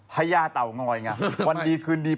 พญาเต่างอยไงวันดีคืนดี